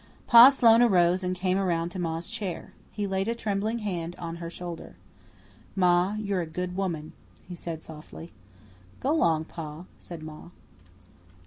Pa Sloane arose and came around to Ma's chair. He laid a trembling hand on her shoulder. "Ma, you're a good woman," he said softly. "Go 'long, Pa," said Ma.